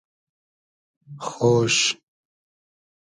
خۉش